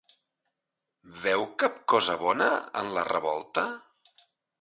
Veu cap cosa bona en la revolta?